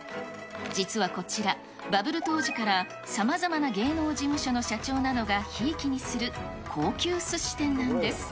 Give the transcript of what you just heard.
実はこちら、バブル当時からさまざまな芸能事務所の社長などがひいきにする高級すし店なんです。